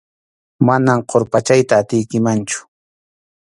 Manam qurpachayta atiykimanchu.